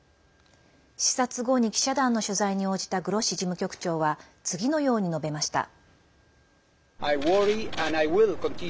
視察後に記者団の取材に応じたグロッシ事務局長は次のように述べました。